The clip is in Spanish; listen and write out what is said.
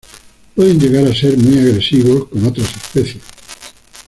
Pueden llegar a ser muy agresivos con otras especies.